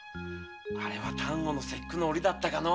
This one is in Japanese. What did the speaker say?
あれは端午の節句の折だったかのう？